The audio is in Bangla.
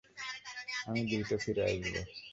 আমি দ্রুত ফিরে আসব।